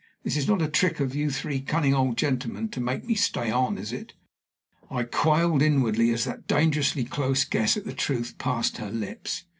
This is not a trick of you three cunning old gentlemen to make me stay on, is it?" I quailed inwardly as that dangerously close guess at the truth passed her lips.